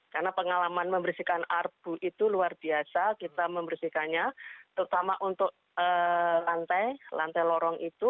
karena pengalaman membersihkan abu itu luar biasa kita membersihkannya terutama untuk lantai lantai lorong itu